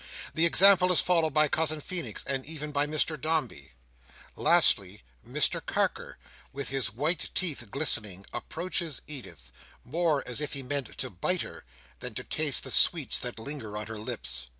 The example is followed by Cousin Feenix and even by Mr Dombey. Lastly, Mr Carker, with his white teeth glistening, approaches Edith, more as if he meant to bite her, than to taste the sweets that linger on her lips.